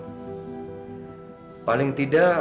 kalau tidak kamu harus menangkap si pembunuh